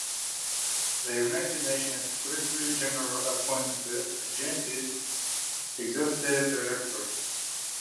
The United Nations Secretary-General appoints the agency's Executive Director.